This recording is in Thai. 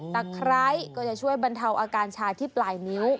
ไคร้ก็จะช่วยบรรเทาอาการชาที่ปลายนิ้ว